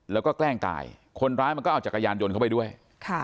แล้วก็แกล้งตายคนร้ายมันก็เอาจักรยานยนต์เข้าไปด้วยค่ะ